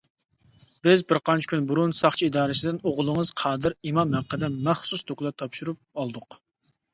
بىز بىر قانچە كۈن بۇرۇن ساقچى ئىدارىسىدىن ئوغلىڭىز قادىر ئىمام ھەققىدە مەخسۇس دوكلات تاپشۇرۇپ ئالدۇق.